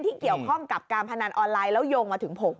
เกี่ยวข้องกับการพนันออนไลน์แล้วโยงมาถึงผม